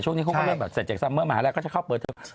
ช่วงนี้เขาก็เริ่มแบบเสร็จจากซัมเมอร์มหาลัยก็จะเข้าเปิดเทอม